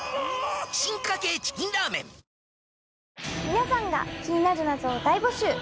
皆さんが気になる謎を大募集！